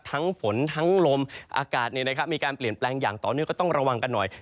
ฝนทั้งลมอากาศมีการเปลี่ยนแปลงอย่างต่อเนื่องก็ต้องระวังกันหน่อย